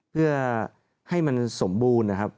เพื่อให้มันสมบูรณ์นะครับ